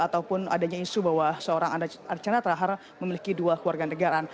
ataupun adanya isu bahwa seorang archandra thakar memiliki dua keluarga negaraan